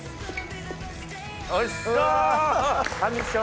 おいしそ！